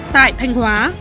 tại thanh hóa